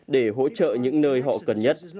để hỗ trợ những nơi họ cần nhất